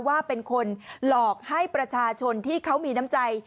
ว่าเป็นคนหลอกให้ประชาชนที่เขามีน้ำใจ